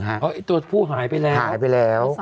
ตัวผู้หายไปแล้วหายไปแล้ว